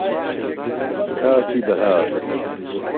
کاتی بەهار